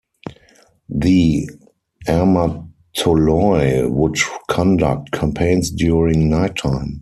The armatoloi would conduct campaigns during nighttime.